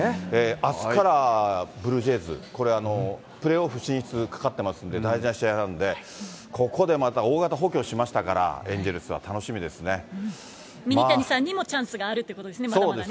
あすからブルージェイズ、これ、プレーオフ進出かかっていますので、大事な試合なんで、ここでまた大型補強しましたから、ミニタニさんにもチャンスがあるということですね、まだまだね。